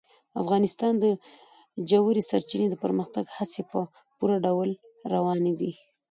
افغانستان کې د ژورې سرچینې د پرمختګ هڅې په پوره ډول روانې دي.